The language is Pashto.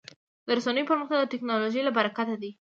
د رسنیو پرمختګ د ټکنالوژۍ له برکته دی.